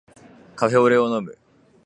カフェオレを飲む